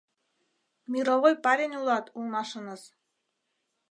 Мировой парень улат улмашыныс!